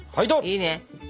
いいね。